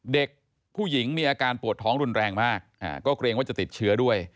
เด็กผู้หญิงมีอาการปวดท้องรุนแรงมากก็เกรงว่าจะติดเชื้อด้วย